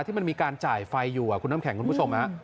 ที่มันมีการจ่ายไฟอยู่คุณน้ำแข็งคุณผู้ชม